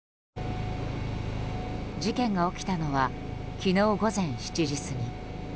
事件が起きたのは昨日午前７時過ぎ。